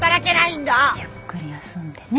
ゆっくり休んでね。